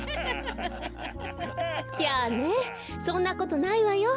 やあねそんなことないわよ。